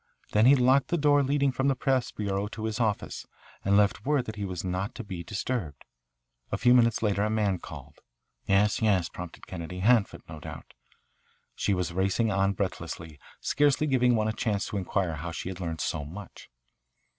Then he locked the door leading from the press bureau to his office, and left word that he was not to be disturbed. A few minutes later a man called." "Yes, yes," prompted Kennedy. "Hanford, no doubt." She was racing on breathlessly, scarcely giving one a chance to inquire how she had learned so much.